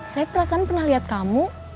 saya perasaan pernah lihat kamu